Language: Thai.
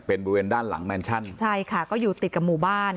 เป็นบริเวณด้านหลังแมนชั่นใช่ค่ะก็อยู่ติดกับหมู่บ้าน